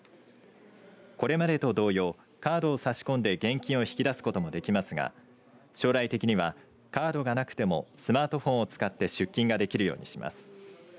これまでと同様カードを差し込んで現金を引き出すこともできますが将来的にはカードがなくてもスマートフォンを使って出金ができるようにします。